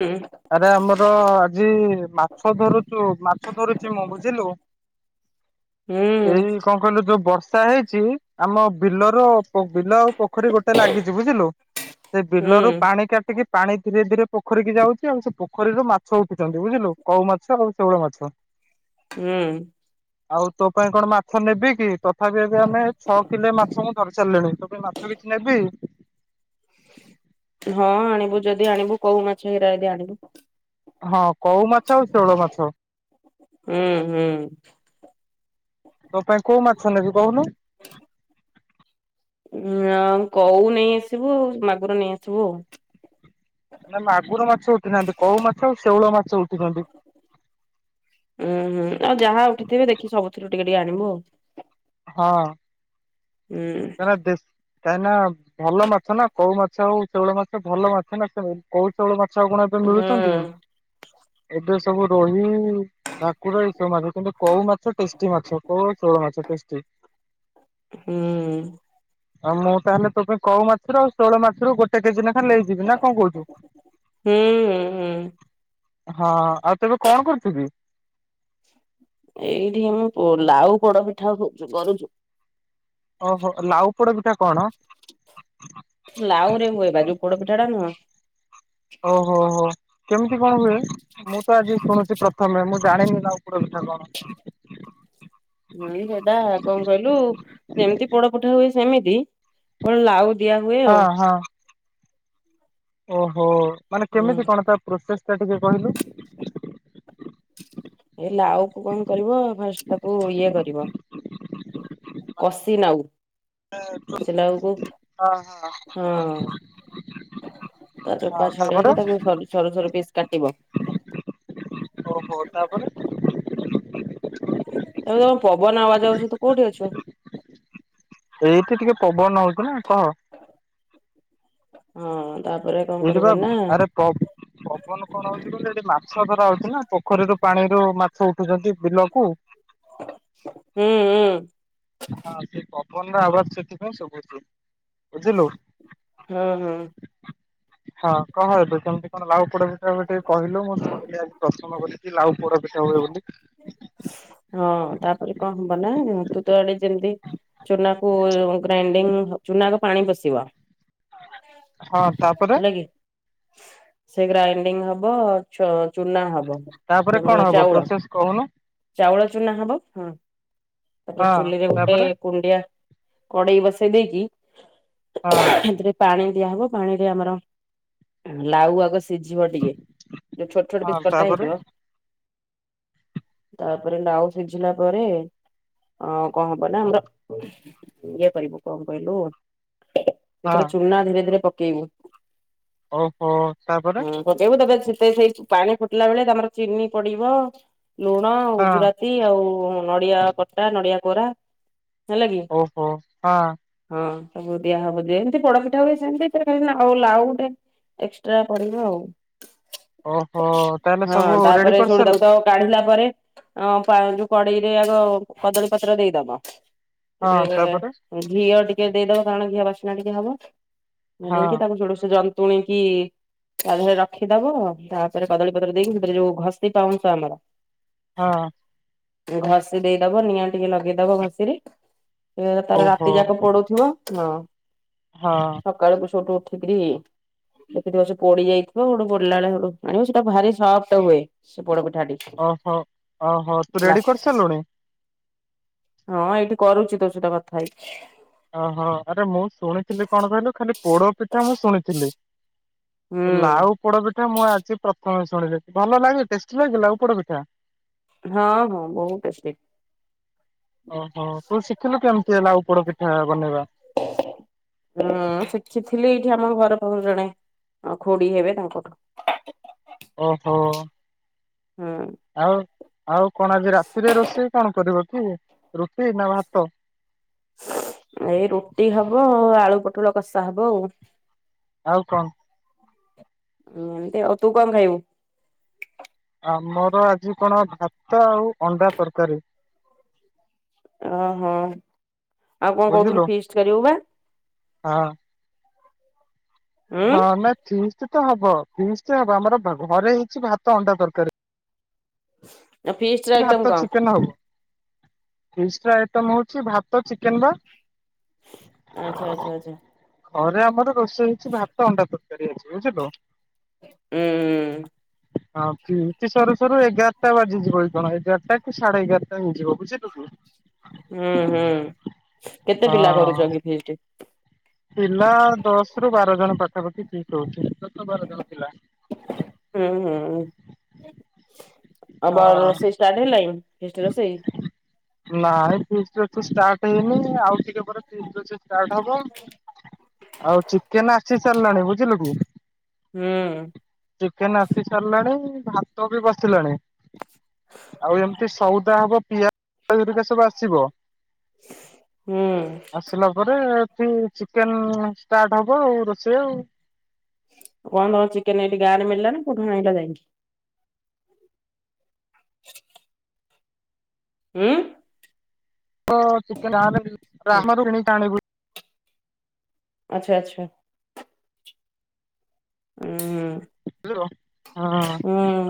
ହୁଁ ଆରେ ଆମର ଆଜି ମାଛ ଧରୁଚୁ ମାଛ ଧରୁଚି ମୁଁ ବୁଝିଲୁ। ହୁଁ ଏଇ କଁ କହିଲୁ ଯୋଉ ବର୍ଷ ର୍ଷା ହେଇଚି ଆମ ବିଲର ପ ବିଲ ଆଉ ପୋଖୋରୀ ଗୋଟେ ଲାଗିଚି ବୁଝିଲୁ। ସେ ହୁଁ ବିଲରୁ ପାଣି କାଟିକି ପାଣି ଧୀରେ ଧୀରେ ପୋଖୋରୀକି ଯାଉଚି ଛି ଆଉ ସେ ପୋଖରୀରୁ ମାଛ ଉଠୁଚନ୍ତି ବୁଝିଲୁ କଉ ମାଛ ଆଉ ଶେଉଳ ମାଛ। ହୁଁ। ଆଉ ତୋ ପାଇଁ କଣ ମାଛ ନେବି କି ତଥାବି ଏବେ ଆମେ ଛଅ କିଲେ ମାଛ ମୁଁ ଧରିସାରିଲିଣି ତୋ ପାଇଁ ମାଛ ବି ନେବି? ହଁ ଆଣିବୁ ଯଦି ଆଣିବୁ କୋଉ ମାଛ ହେରା ଯଦି ଆଣିବୁ। ହଁ କୋଉ ମାଛ ଆଉ ଶେଉଳ ମାଛ। ହୁଁ ହୁଁ। ତୋ ପାଇଁ କୋଉ ମାଛ ନେବି କୋହୁନୁ? [inaudible] ଉଁ ଆଉ କଉ ନେଇ ଆସିବୁ ମାଗୁର ନେଇ ଆସିବୁ ଆଉ। ନା ମାଗୁର ମାଛ ଉଠିନାହାନ୍ତି କୋଉ ମାଛ ଆଉ ଶେଉଳ ମାଛ ଉଠିଚନ୍ତି। ଉଁହୁଁ ଆଉ ଯାହା ଉଠିଥିବେ ଦେଖି ସବୁ ଥୁରୁ ଟିକେ ଟିକେ ଆଣିବୁ ଆଉ। ହଁ। ହୁଁ। କାହିଁକିନା ଦେଶ କାହିଁକିନା ଭଲ ମାଛ ନା କୋଉ ମାଛ ଆଉ ଶେଉଳ ମାଛ ଭଲ ମାଛ ନା ସେ କୋଉ ଶେଉଳ ମା ଛ କଣ ଏବେ ହୁଁ। ମିଳୁଚନ୍ତି କି ଏବେ ସବୁ ରୋହି ଭାକୁର ଏ ସବୁ ମାଛ କିନ୍ତୁ କଉ ମାଛ ଟେଷ୍ଟି ମାଛ କଉ ଆଉ ଶେଉଳ ମାଛ ଟେଷ୍ଟି। ହୁଁ। ଆଉ ମୁଁ ତାହେଲେ ତୋ ପାଇଁ କଉ ମାଛରୁ ଆଉ ଶେଉଳ ମାଛରୁ ଗୋଟ୍ ଟେ କେଜି ଲେଖା ନେଇଯିବି ନା କଣ କହୁଚୁ? ହୁଁ ହୁଁ ହଁ ଆଉ ତେବେ କଣ କରୁଚୁ କି? ଏଇଠି ମୁଁ ପୋ ଲାଉ ପୋଡ ପିଠାଉ କରୁ କରୁଚୁ? ଓହୋ ଲାଉ ପୋଡପିଠା କଣ? ଲାଉରେ ହୁଏ ବା ଯୋଉ ପୋଡପିଠାଟା ନୁହଁ ଓହୋ ହୋ ହୋ କେମିତି କଣ ହୁଏ ମୁଁ ତ ଆଜି ଶୁଣୁଚି ପ୍ରଥମେ ମୁଁ ଜାଣିନି ନା ଲାଉ ପୋଡ ପିଠା କଣ? [unintelligible] ଉଁ ସେଟା କଣ କହିଲୁ ଯେମିତି ପୋଡପିଠା ହୁଏ ସେମିତି କଣ ଲାଉ ଦିଆ ହୁଏ ଆଉ ହଁ ହଁ ଓହୋ ମାନେ ହୁଁ। କେମିତି କଣ ତା ପ୍ରୋସେସ ଟା ଟିକେ କହିଲୁ ଏ ଲାଉକୁ କଣ କରିବ ଫାଷ୍ଟ ତାକୁ ଇଏ କରିବ କସି ନାଉ କଷି ଲାଉକୁ ହଁ ହଁ [unintelligible] ତା ହଁ ଚୋପା ତାପରେ ଛଡେଇକି ତାକୁ ସରୁ ସରୁ ସରୁ ପିସ୍ କାଟିବ ଓହୋ ତାପରେ? [unintelligible] ତୋ ପବନ ଆବାଜ ଆଉଛି ତୁ କୋଉଠି ଅଛୁ? ଏଇଠି ଟିକେ ପବନ ହଉଛି ନା କହ ହଁ। ତାପରେ କଣ ଏଇଠି କରିବ ବା ନା ଆରେ ପବ ପବନ କଣ ହଉଛି କହିଲୁ ଏଠି ମା ମାଛ ଧରା ହଉଛି ନା ପୋଖରୀରୁ ପାଣିରୁ ମାଛ ଉଠୁଛନ୍ତି ବିଲକୁ ହୁଁ ହୁଁ। ହଁ ସେ ପବନ ର ଆବାଜ୍ ସେଥିପାଇଁ ଶୁଭୁଛି ବୁଝିଲୁ। ହଁ ହଁ। ହଁ କହ କେବେ କେମିତି କଣ ଲାଉ ପୋଡ଼ା ହୁଏ ତ ବିଷୟରେ ଟିକେ କହିଲୁ ମୁଁ ଶୁଣିଲେ ପ୍ରଶ୍ନ [unintelligible] କରିଲି କି ଲାଉ ପୋଡ଼ ପିଠା ହୁଏ ବୋଲି ହଁ ତାପରେ କଣ ହବ ନା ତୁ ତ ଆଡେ ଯେମିତି ଚୁନାକୁ ଗ୍ରାଇଣ୍ଡିଙ୍ଗ୍ ଚୁନା ରୁ ପାଣି ପଶିବ ହଁ ତାପରେ? ହେଲା କି ସେ ଗ୍ରାଇଡିଙ୍ଗ୍ ହବ ଚ ଚୁନା ହବ ତାପରେ କଣ [unintelligible] ହବ ଚାଉଳ ପ୍ରୋସେସ କହୁନୁ ଚାଉଳ ଚୁନା ହବ, ହଁ। ତାପରେ ହଁ ଚୁଲିରେ ଗୋଟେ ତାପରେ କୁଣ୍ଡିଆ କଡେଇ ବସେଇ ଦେଇକି ହଁ। ସେଥିରେ ପାଣି ଦିଆହବ ପାଣିରେ ଆମର ଲାଉ ଆଗ ସି ସିଝିବ ଟିକେ ଯୋଉ ଛୋଟ ଛୋଟ ହଁ ପିସ୍ କଟା ତାପରେ ହେଇଥିବ ତାପରେ ନାଉ ସିଝିଲା ପରେ ହଁ କଣ ହବ ନା ଆମର ଇଏ କରିବୁ କଣ କହିଲୁ ହଁ ସେଥିରେ ଚୁନା ଧୀରେ ଧୀରେ ପକେଇବୁ। [unintelligible] ଓହୋ ତାପରେ ହଁ ପକେଇବୁ ତା [unintelligible] ପରେ [unintelligible] ମତେ ସେଇ ପାଣି ଫୁଟିଲା ବେଳେ ତମର ଚିନି ପଡିବ ଲୁଣ ହଁ ଗୁଜୁରାତି ଆଉ ନଡିଆ କତା, ନଡିଆ କୋରା ହେଲା କି ଓହୋଁ ହଁ। ହଁ ସବୁ ଦିଆ ହବ ଜେମତି ପୋଡ଼ ପିଠା ହୁଏ ସେମିତି ଏଥିରେ ଖାଲି ଲାଉଟେ ଏକ୍ସଟ୍ରା ପଡିବ ଆଉ ଓହୋ ତାହେଲେ ସବୁ ହଁ ରେଡି ତାପରେ ସେଇଠୁ କରିସାରିଲ ତାକୁ ତ କାଢିଲା ତାପରେ ଅ ଯୋଉ କଡ଼େଇ ରେ ଆଗ କଦଳୀ ପତ୍ର ଦେଇଦବ। ହଁ ତାପରେ ଟିକେ ଘିଅ ଟିକେ ଦେଇଦବ କାରଣ ଘିଅ ବାସ୍ନା ଟିକେ ହବ। ହଁ ନେଇକି ତାକୁ [unintelligible] ଜନ୍ତୁଣୀ କି ତା ଦେହରେ ରଖିଦବ ତାପରେ କଦଳୀପତ୍ର ଦେଇକି ସେଥିରେ ଯୋଉ ଘଷି ପାଉଁଶ ଆମର ହଁ। ଘଷି ଦେଇଦବ ନିଆଁ ଟିକେ ଲଗେଇଦବ ଘଷିରେ। ତାର ଓହୋ ରାତି ଯାକ ପୋଡ଼ୁଥିବ ହଁ ହଁ ସକାଳକୁ [unintelligible] [unintelligible] ଦେଖିଥିବ ସେ ପୋଡ଼ି ଯାଇଥିବ ହେଠୁ ପୋଡି଼ଲା ବେଳେ ସେଠୁ ଆଣିବ ସେଇଟା ଭାରି ସଫ୍ଟ ହୁଏ। ପୋଡ଼ ପିଠା ଟି ଓହୋ ଓହୋ ତୁ ହେଲା ରେଡି କରିସାରିଲୁଣି ହଁ ଏଇଠି କରୁଚି ତୋ ସହିତ କଥା ହେଇକି। ଓହୋ ଆରେ ମୁଁ ଶୁଣିଥିଲି କଣ କହିଲୁ ଖାଲି ପୋଡ଼ପିଠା ମୁଁ ଶୁଣିଥିଲି। ହୁଁ। ଲାଉ ପୋଡ଼ପିଠା ମୁଁ ଆଜି ପ୍ର ପ୍ରଥମେ ଶୁଣିଲି ଭଲ ଲାଗେ ଟେଷ୍ଟି ଲାଗେ ଲାଉ ପୋଡ଼ପିଠା? ହଁ ହଁ ବହୁତ୍ ଟେଷ୍ଟି। ଓହୋ କଉଠୁ ଶିଖିଲୁ କେମିତି ଏଇ ଲାଉ ପୋଡ଼ପିଠା ବନେଇବା? ହୁଁ ଶିଖିଥିଲି ଏଇଠି ଆମ ଘର ପାଖରୁ ଜଣେ ଆ ଖୁଡ଼ୀ ହେବେ ତାଙ୍କଠୁ। ଓହୋ। ହୁଁ ଆଉ ଆଉ କଣ ଆଜି ରାତିରେ ରୋଷେଇ କଣ କରିବ? ରୁଟି ରୁଟି ନା ଭାତ? ଏଇ ରୁଟି ହବ ଆଳୁ ପୋଟଳ କଷା ହବ ଆଉ। ଆଉ କଣ? [unintelligible] ଆଉ ତୁ କଣ ଖାଇବୁ? ଆମର ଆଜି କଣ ଭାତ ଆଉ ଅଣ୍ଡା ତରକାରୀ। ଓହୋ ଆଉ କଣ କହୁଥିଲୁ ବୁଝିଲୁ ଫିଷ୍ଟ୍ କରିବୁ ବା। ହଁ ହଁ ଉଁ ନାଇଁ ଫି ହବ ଫିଷ୍ଟ୍ ହବ ଆମର ଘରେ ହେଇଛି ଭାତ ଅଣ୍ଡା ତରକାରୀ। ଫିଷ୍ଟ୍ ର ଆଇଟମ ଭାତ କଣ? ଫିଷ୍ଟ୍ ର ଆଇଟମ ହଉଛି ଭାତ ଚିକେନ୍ ବା। ଆଚ୍ଛା ଆଚ୍ଛା ଆଚ୍ଛା ଘରେ ଆମର ରୋଷେଇ ହେଇଛି ଭାତ ଅଣ୍ଡା ତ ତରକାରୀ ହେଇଛି ବୁଝିଲୁ? ହୁଁ ହୁଁ। ହଁ ଫିଷ୍ଟ୍ ସରୁ ସରୁ ଏଗାରଟା ବାଜିଯିବ। [unintelligible] ଏଗାରଟା କି ସାଢେ ଏଗାରଟା ହେଇଯିବ ବୁଝିଲୁୁ କି। ହୁଁ ହୁଁ କେତେ ହଁ ପିଲା କରୁଛକି ଫିଷ୍ଟ୍? ପିଲା ଦଶ ରୁ ବାର ଜଣ ପାଖାପାଖି ଠିକ୍ ରହୁଛି। ଦଶ ବାର ଜଣ ପିଲା। ହୁଁ ହୁଁ ଆଉ ବ ହଁ ରୋଷେଇ ଷ୍ଟାର୍ଟ ହେଲାଣି ଫିଷ୍ଟ ରୋଷେଇ? ନାଇଁ ଫିଷ୍ଟ୍ ଷ୍ଟାର୍ଟ ହେଇନି ଆଉ ଟିକେ ପରେ ଫିଷ୍ଟ୍ ରୋଷେଇ ଷ୍ଟାର୍ଟ ହବ ଆଉ ଚିକେନ୍ ଆ ଆସିସାରିଲାଣି ବୁଝିଲୁ କି ହୁଁ ଚିକେନ୍ ଆସି ସାରିଲାଣି। ଭାତ ବି ବସିଲାଣି। ଆଉ ଏମିତି ସଉଦା ହବ ପିଆଜ ହେରିକା ସବୁ ଆସିବ। ହୁଁ ଆସିଲା ପରେ ଏଠି ଚିକେନ୍ ଷ୍ଟା ହବ ଆଉ ରୋଷେଇ ଆଉ କଣ ଚିକେନ୍ ଏଇଠି ଗାଁ ରେ ମିଳିଲାନି କଉଠୁ ଆଣିଲ ଯାଇକି। [inaudible] ହୁଁ। ଓ ଚିକେନ୍ ଗାଁରେ ମିଳି [unintelligible] ବାହାରୁ କିଣିକି [unintelligible] ଆଚ୍ଛା ଆଚ୍ଛା। ହୁଁ। ରହ ହଁ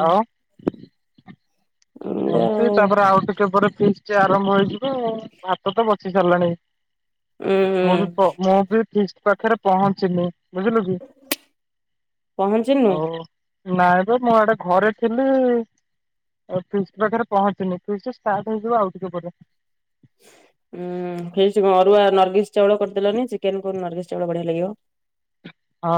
ଆଉ। ଆଉ ଏମୀତି ତାପରେ ଆଉ ଟିକେ ପରେ ଫିଷ୍ଟ ଆରମ୍ଭ ହେଇଯିବ ଆଉ ଭାତ ତ ବସି ସାରିଲାଣି। ଉୁଁ ମୁଁ ବି ମୁଁ ବି ଫିଷ୍ଟି ପାଖରେ ପହଞ୍ଚିନି। ବୁଝିଲୁ କି? ପହଞ୍ଚିନୁ? ଆଉ ନାଇଁ ବେ ମୁଁ ଇଆଡେ ଘରେ ଥିଲି ଅଫିସ୍ ପାଖରେ ପହଞ୍ଚିନି ଫୀଷ୍ଟି ଷ୍ଟାର୍ ହେଇଯିବ ଆଉ ଟିକେ ପରେ। [inaudible] ହଁ ହେଇଚି କ ଅରୁଆ ନରଗିଶ ଚାଉଳ କରିଦେଲନି ଚିକେନକୁ ନରଗିସ ଚାଉଳ ବଢିଆ ଲାଗିବ। ହଁ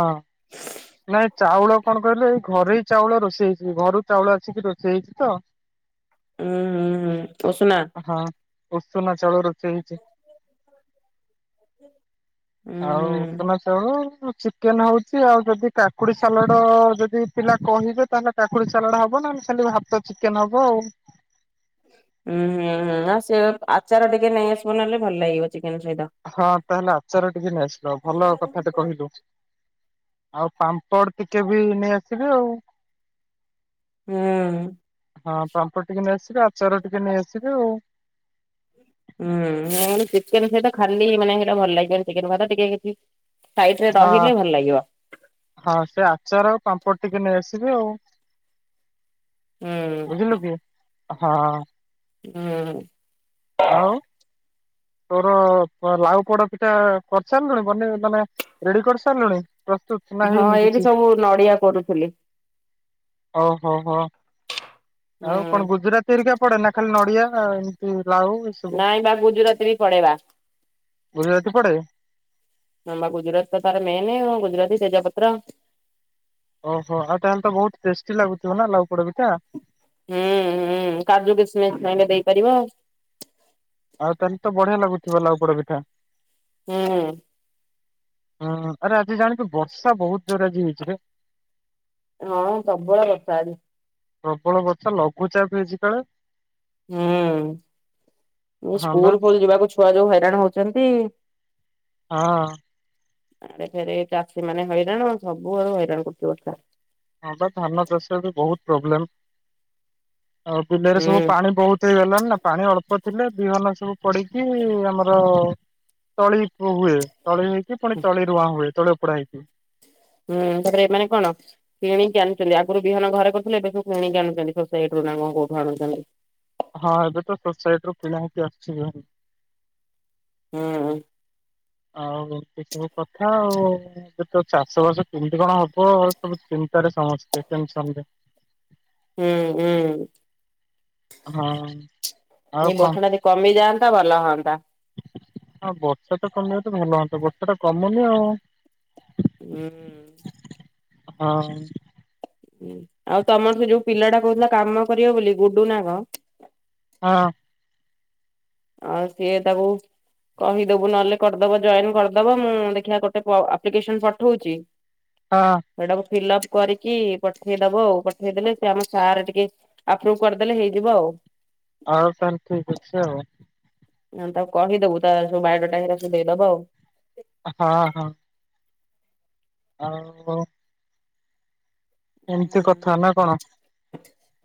ନାଇଁ ଚାଉଳ କଣ କହିଲେ ଏଇ ଘରେଇ ଚାଉଳ ରୋଷେଇ ହେଇଛି ଘରୁ ଚାଉଳ ଆସିକି ରୋଷେଇ ହେଇଛି ତ। ଉୁଁ ହୁଁ ହୁଁ ଉସୁୁନା। ଉସୁନା ଚାଉଳ ରୋଷେଇ ହେଇଛି। ଉୁଁ ଆଉ ହୁଁ ଉଷୁନା ଚାଉଳ ଉ। ଚିକେନ ହଉଛି ଆଉ ଯଦି କାକୁଡି ସାଲାଡ଼ ଯଦି ପିଲା କହିବେ ତାହେଲେ କାକୁଡି ସାଲାଡ଼ ହବ ନ ସେମତି ଭାତ ଚିକେନ ହବ ଆଉ। ହୁଁ ହୁଁ ହୁଁ ଆଉ ସେ ଆଚାର ଟିକେ ନେଇ ଆସିବ ନହେଲେ ଭଲ ଲାଗିବ। ଚିକେନ ସହିତ। ହଁ ତାହେଲେ ଆଚାର ଟିକେ ନେଇଆସିବ ଭଲ କଥାଟେ କହିଲୁ। ଆଉ ପାମ୍ପଡ ଟିକେ ବି ନେଇ ଆସିବେ ଆଉ। ହୁଁ। ହଁ ପାମ୍ପଡ ଟିକେ ନେଇଆସିବେ ଆଚାର ଟିକେ ନେଇଆସିବେ ଆଉ। ହୁଁ ଚିକେନ ସେଇଟ ଖାଲି ମାନେ ହେଟା ଭଲ ଲାଗିବନି ଚିକେନ ଭାତ ଟିକେ କିଛି। ସାଇଡ ରେ ହଁ ରହିଲେ ଭଲ ଲାଗିବ ହଁ ସେ ଆଚାର ପାମ୍ପ ଟି ନେଇ ଆସିବେ ଆଉ। ହୁଁ। ବୁଝିଲୁ କି ହଁ। ହୁଁ। ଆଉ? ତୋର ତ ଲାଉ ପୋଡ ପିଠା କରି ସାରିଲୁଣି ପନି ମାନେ ରେଡି କରିସାରିଲୁଣି? ପ୍ରସ୍ତୁତ ନା ହଁ ହେଇନି ଏଇଠି କିଛି? ସବୁ ନଡିଆ କରୁଥିଲି। ହୋଉ ହୋଉ ହଉ ଆଉ କଣ ହୁଁ ଗୁଜୁରାତିରିକା ପଡେ ନା ଖାଲି ନ ଡିଆ ନା ଏମତି ଲାଉ ଇସୁବୁ, ନାଇଁ ବା ଗୁଜୁରାତି ବି ପଡେଇବା ଗୁଜୁରାତି ପଡେ? ନମ ଗୁଜରାତି ତ ତାର ମେନେ ଗୁଜରାତି, ତେଜପତ୍ର। ଓହୋ ଆଉ ତାହେଲେ ତ ବହୁତ ଟେଷ୍ଟି ଲାଗୁଥିବ ନା ଲାଉ ପୋଡ ପିଠା? ହୁଁ ହୁଁ କାଜୁ କିସ୍ମିସ ଚାହିଁଲେ ଦେଇପାରିବ। ଆଉ ତାଲତ ତ ବଢିଆ ଲାଗୁଥିବ ଲାଉ ପୋଡା ପିଠା। ହୁଁ। ହୁଁ ଆରେ ଆଜି ଜାଣିଚୁ ବର୍ଷା ବହୁତ ଜୋର ଆଜି ହେଇଛି ରେ। ହଁ ପ୍ରବଳ ବର୍ଷା ଆଜି। ପ୍ରବଳ ବଚା ଲଘୁଚାପ ହେଇଛି କାଳେ? ହୁଁ ହଁ ବା ସ୍କୁଲ ଫୁଲ ଯିବାକୁ ଛୁଆ ଯୋଉ ହଇରାଣ ହଉଛନ୍ତି। ହଁ। ଆଡେ ଫେର ଚାଷୀ ମାନେ ହଇରାଣ ସବୁ ଆଡୁ ହଇରାଣ କରୁଛି ବର୍ଷା। ହଁ ବା ଧାନ ଚାଷ ବି ବହୁତ ପ୍ରୋବ୍ଲେମ। ଆଉ ବିଲରେ ହୁଁ ସବୁ ପାଣି ବହୁତ ହେଇଗଲାଣି ନା ପାଣି ଅଳ୍ପ ଥିଲେ ବିହନ ସବୁ ପଡିକି ଆମର ତଳି ପ ହୁଏ। ତଳି ହେଇକି ପୁଣି ତଳି ରୁଆଁ ହୁଏ ତଳି ଉପଡ଼ା ହେଇକି। ହୁଁ ତାପରେ ଏମାନେ କଣ କିଣିକି ଆଣୁଛନ୍ତି, ଆଗରୁ ବିହନ ଘରେ କରୁଥିଲେ ଏବେ ସବୁ କିଣିକି ଆଣୁଛନ୍ତି ସୋସାଇତିରୁ। [unintelligible] ହଁ ଏବେ ତ ସୋସାଇଟି ରୁ କିଣା ହେଇକି ଆସୁଛି ଭାରି ହୁଁ। ଆଉ ଏ ସବୁ କଥା ଆଉ ଏ ତ ଚାଷ ବାସ କେମିତି କଣ ହବ ସବୁ ଚିନ୍ତାରେ ସମସ୍ତେ ଟେନସନରେ। ହୁଁ ଉଁ। ହଁ। ଆଉ ଏ ବର୍ଷା କଣ ଟା ଜଦି କମିଯାଆନ୍ତା ଭଲ ହଅନ୍ତା। ହଁ ବର୍ଷାଟା କମିଯାନ୍ତା ତା ଭଲ ହୁଅନ୍ତା ବର୍ଷା ତ କମୁନି ଆଉ। ଉଁ ହୁଁ। ହଁଅଂ। ଆଉ ତମଠୁ ଯୋଉ ପିଲାଟା କହୁଥିଲା କାମ କରିବ ବୋଲି ଗୁଡୁ ନା କଣ। ହଁ। ଆଉ ସିଏ ତାକୁ। କହିଦବୁ ନହେଲେ କରିଦବ ଜଏନ କରିଦବ ମୁଁ ଦେଖିଆ ଗୋଟେ ଆପ୍ଲିକେସନ ପଠଉଚି। ହଁ ହେଟାକୁ ଫିଲପ। କରିକି ପଠେଇଦବ ଆଉ ପଠେଇଦେଲେ ସେ ଆମ ସାର୍ ଟିକେ ଆପୃଭ କରିଦେଲେ ହେଇଯିବ ଆଉ। ହଉ ତାହେଲେ ଠିକ ଅଛି ଆଉ। ହ ତାକୁ କହିଦବୁ ତା ସବୁ ଵୟୋଡ଼ାଟା ହେରା ସବୁ ଦେଇଦବ ଆଉ। ହଁ ହଁ। ଅହୋ। ଏମିତି କଥା ନା କଣ।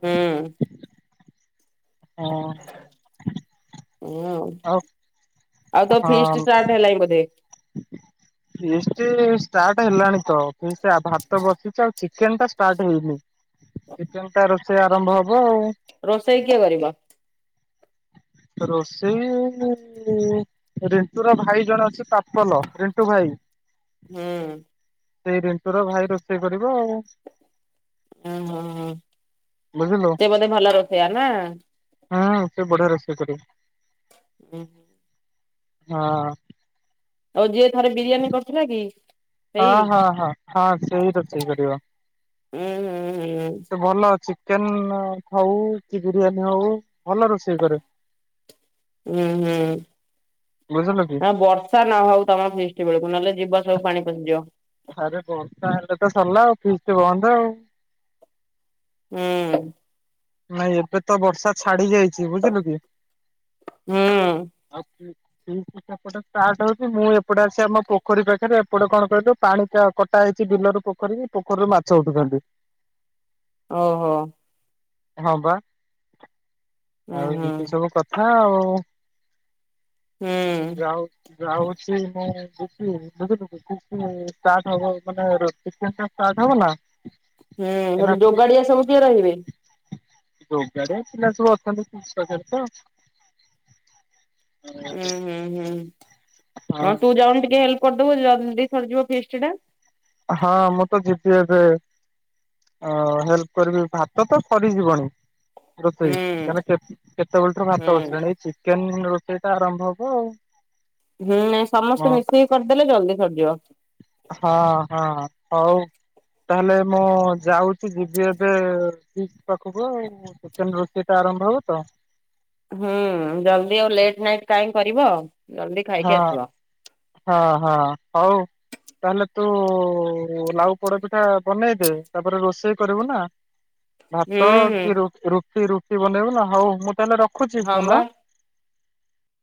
ହୁଁ ଏଇଆ ହଁ ଆଉ। ଆଉ ତୋ ଫିଷ୍ଟ ହଁ ଷ୍ଟାଟ ହେଲାଣିି ବୋଧେ। ଫିଷ୍ଟ ଷ୍ଟା ଷ୍ଟାଟ ହେଲାଣି ତ ସେ ଭାତ ବସିଛି ଆଉ ଚିକେନ ଟାଷ୍ଟାଟ ହେଇନି। ଚିକେନଟା ରୋଷେଇ ଆରମ୍ଭ ହବ ଆଉ। ରୋଷେଇ କିଏ କରିବ। ରୋଷେଇ ରିଣ୍ଟୁ ର ଭାଇ ଜଣେ ଅଛି ପାପଲ ରିଣ୍ଟୁ ଭାଇ। ହୁଁ ସେଇ ରିଣ୍ଟୁର ଭାଇ ରୋଷେଇ କରିବ ଆଉ। ହୁଁ ହୁଁ ହୁଁ ହୋ ବୁଝିଲୁ ସେ ବୋଧେ ଭଲ ରଷେଇଆ ନା? ହୁଁ ସେ ବଢ଼ିଆ ରୋଷେଇ କରେ। ହୁଁ ହୁଁ [inaudible] ହଁଅଂ। ଆଉ ଯିଏ ଥରେ ବିରିୟାନୀ କରିଥିଲା କି? ସେଇ ହଁ ହଁ ହଁ ହଁ ସେଇ ରୋଷଇ କରିବା। ଉୁଁ ହୁଁ ହୁଁ ସେ ଭଲ ଅଛି। ଚିକେନ ହଉ କି ବିରିୟାନୀ ହଉ ଭଲ ରୋଷେଇ କରେ। ଉଁ ହୁଁ। ବୁଝିଲୁ କି। ହଁ ବର୍ଷା ନ ହଉ ତମ ଫିଷ୍ଟି ବେଳକୁ ନହେଲେ ଯିବ ସବୁ ପାଣି ପଶିଯିବ। ଆରେ ବର୍ଷା ହେଲେ ତ ସରିଲା ଆଉ ଫିଷ୍ଟ ବନ୍ଦ ଆଉ। ଉଁ। ନାଇଁ ଏବେ ତ ବର୍ଷା ଛାଡି ଯାଇ ଛି ବୁଝିଲୁ କି? ହୁଁ ଠିକ ସେପଟେ ଷ୍ଟାର୍ଟ ହଉଛି ମୁଁ ଏପଟେ ଆସି ଆମ ପୋଖରୀ ପାଖରେ ଏପଟେ କଣ କହିଲୁ ପାଣି ଟା କଟା ହେଇଚି। ସେ ବିଲରୁ ପୋଖରୀ କି ପୋଖରୀରୁ ମାଛ ଉଠୁଛନ୍ତି। ଓହୋ। ହଁ ବା ହୁଁ ଆଉ ହୁଁ ଏମିତି ସବୁ କଥା ଆଉ। ହୁଁ। ଯାଉ ଯାଉଛି ମୁଁ ଯିବି ବୁଝିଲୁକି ଷ୍ଟାଟ ହେବ ମାନେ ଚିକେନ ଟା ଷ୍ଟା ଷ୍ଟାଟ ହେବନା। ହୁଁ ଯୋଗାଡିଆ ସବୁ କିଏ ରହିବେ? ଯୋଗାଡିଆ ପିଲା ସବୁ ଅଛନ୍ତି ପାଖରେ ତ ହୁଁ ହୁଁ ହୁଁ ହଁ ତୁ ଯାଉନ ଟିକେ ହେ କରିଦବୁ ଜଲ୍ଦି ସରିଯିବ ଫିଷ୍ଟ ଟା। ହଁ ମୁଁ ତ ଜିତି ଅ ହେଲ୍ପ କରିବି ଭାତ ତ ସରିଯିବଣି। ରୋଷେଇ ହୁଁ କା କେତେବେଳରୁ ହୁଁ ଭାତ ବସିଲାନି ଏଇ ଚିକେନ୍ ତ କେନ ଦିନ ରୋଷେଇ ଟା ଆରମ୍ଭ ହବ ଆଉ। ହୁଁ ସମସ୍ତେ ହଁ ମିଶେଇି କରିଦେଲେ ଜଲ୍ଦି ସରିଯିବ। ହଁ ହଁ ହଉ। ତାହେଲେ ମୁଁ ଯାଉଛି ଯିବି ଏବେ ପାଖକୁ ଆଉ ଚିକେନ ରୋଷେଇ ଟା ଆରମ୍ଭ ହବ ତ। ହୁଁ ଜଲ୍ଦି ଆଉ ଲେଟ୍ ନାଇଟ୍ କାଇଁ କରିବ? ଜଲ୍ଦି ହଁ ଖାଇକି ଆସିବ ହଁ ହଁ ହଉ ତାହେଲେ ତୁ ଲାଉ ପୋଡ ପିଠା ବନେଇଦେ ତାପରେ ରୋଷେଇ କରିବୁ ନା। ହୁଁ ଭାତ ହୁଁ କି ରୁଟି ରୁଟି ବନେଇବୁ ନା ହଉ ମୁଁ ତାହେଲେ ରଖୁଛି ହଁ ଫୋନ ବା। ଆଁ।